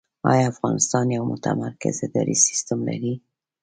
آیا افغانستان یو متمرکز اداري سیستم لري؟